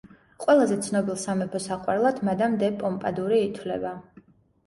ყველაზე ცნობილ სამეფო საყვარლად მადამ დე პომპადური ითვლება.